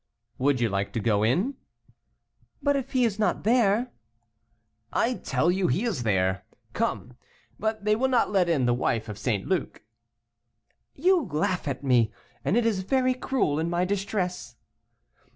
"Would you like to go in?" "But if he is not there?" "I tell you he is there. Come; but they will not let in the wife of St. Luc." "You laugh at me, and it is very cruel in my distress."